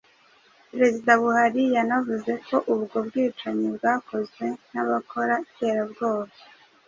Perezida Buhari yanavuze ko ubwo "bwicanyi bwakozwe n'abakora iterabwoba